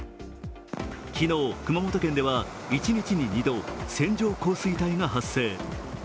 昨日熊本県では、一日に２度、線状降水帯が発生。